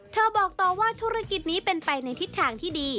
บอกต่อว่าธุรกิจนี้เป็นไปในทิศทางที่ดี